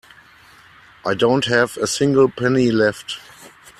I don't have a single penny left.